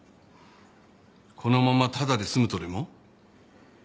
このままただで済むとでも？